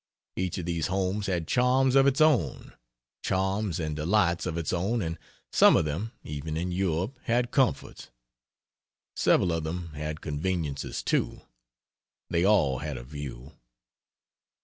Each of these homes had charms of its own; charms and delights of its own, and some of them even in Europe had comforts. Several of them had conveniences, too. They all had a "view."